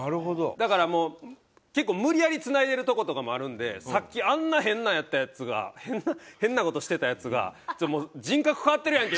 だからもう結構無理やりつないでるとことかもあるんでさっきあんな変なんやったヤツが変な事してたヤツがもう人格変わってるやんけ！